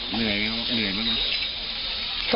เหนื่อยไหมครับ